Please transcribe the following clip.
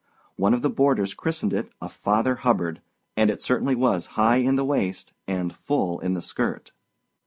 One of the boarders christened it a "Father Hubbard," and it certainly was high in the waist and full in the skirt.